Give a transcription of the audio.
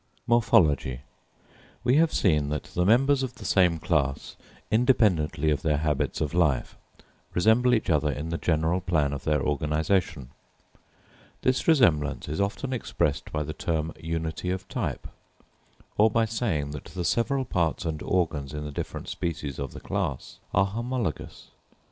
Morphology. We have seen that the members of the same class, independently of their habits of life, resemble each other in the general plan of their organisation. This resemblance is often expressed by the term "unity of type;" or by saying that the several parts and organs in the different species of the class are homologous.